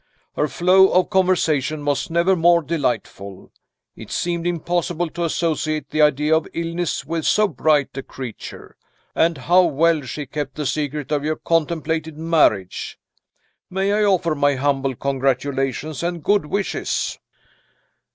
"Her flow of conversation was never more delightful it seemed impossible to associate the idea of illness with so bright a creature. And how well she kept the secret of your contemplated marriage! May I offer my humble congratulations and good wishes?"